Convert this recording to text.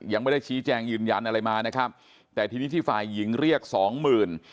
ยังไม่ได้ชี้แจงยืนยันอะไรมานะครับแต่ทีนี้ที่ฝ่ายหญิงเรียกสองหมื่น